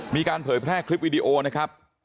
มีการเผยแพร่คลิปวีดีโอนะครับ